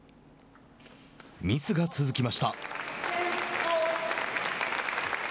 ミスが続きました。